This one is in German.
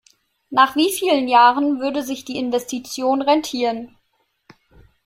Nach wie vielen Jahren würde sich die Investition rentieren?